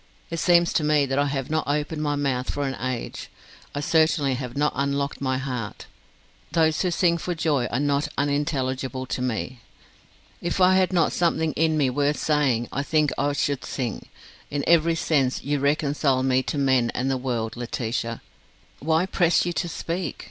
It seems to me that I have not opened my mouth for an age. I certainly have not unlocked my heart. Those who sing for joy are not unintelligible to me. If I had not something in me worth saying I think I should sing. In every sense you reconcile me to men and the world, Laetitia. Why press you to speak?